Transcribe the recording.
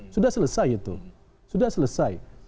sudah selesai itu sudah selesai